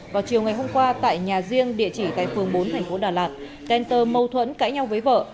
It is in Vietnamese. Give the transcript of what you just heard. vào chiều ngày hôm qua tại nhà riêng địa chỉ tại phường bốn thành phố đà lạt đen tơ mâu thuẫn cãi nhau với vợ